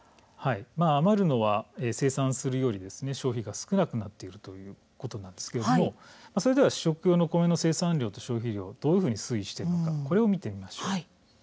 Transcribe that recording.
余るのは生産するよりも消費が少なくなっているということなんですけれどもそれでは主食用の米の生産量と消費量がどのように推移しているのか見てみましょう。